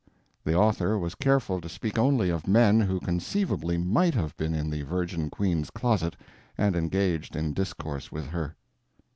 The author was careful to speak only of men who conceivably might have been in the Virgin Queen's closet and engaged in discourse with her.